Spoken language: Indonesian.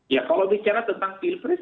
ya kalau bicara tentang pilpres